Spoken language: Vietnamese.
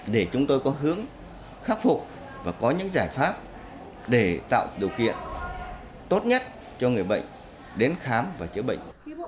để chúng tôi có hướng khắc phục và có những giải pháp để tạo điều kiện tốt nhất cho người bệnh đến khám và chữa bệnh